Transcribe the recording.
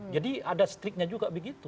jadi ada striknya juga begitu